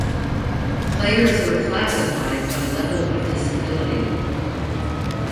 Players were classified by level of disability.